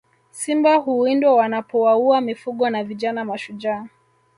Simba huwindwa wanapowaua mifugo na vijana mashujaa